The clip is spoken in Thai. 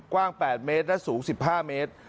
กว้าง๘เมตรและสูง๑๕เมตร